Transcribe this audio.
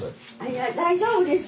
いや大丈夫です。